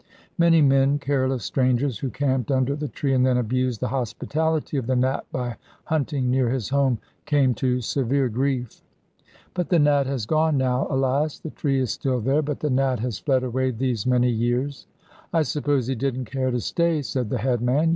Many men, careless strangers, who camped under the tree and then abused the hospitality of the Nat by hunting near his home, came to severe grief. But the Nat has gone now, alas! The tree is still there, but the Nat has fled away these many years. 'I suppose he didn't care to stay,' said the headman.